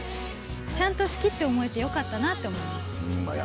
ちゃんと好きって思えてよかったなって思います。